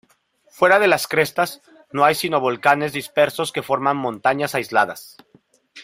Fuera de las crestas no hay sino volcanes dispersos que forman montañas aisladas.